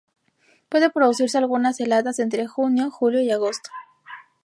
Puede producirse algunas heladas entre Junio, Julio y Agosto.